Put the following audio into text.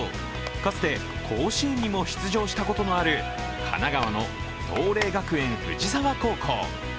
かつて甲子園にも出場したことのある神奈川の藤嶺学園藤沢高校。